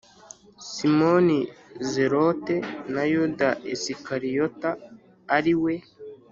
Simoni Zelote na Yuda Isikariyota ari we